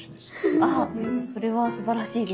あそれはすばらしいです。